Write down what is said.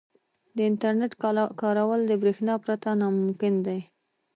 • د انټرنیټ کارول د برېښنا پرته ناممکن دي.